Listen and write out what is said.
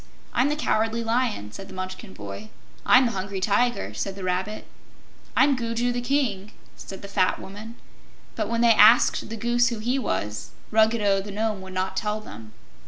"I'm the Cowardly Lion," said the Munchkin boy. "I'm the Hungry Tiger," said the Rabbit. "I'm Gugu the King," said the fat Woman. But when they asked the Goose who he was, Ruggedo the Nome would not tell them.